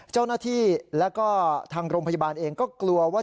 เจ้าหน้าที่แล้วก็ทางโรงพยาบาลเองก็กลัวว่า